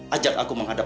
ajak aku menghadap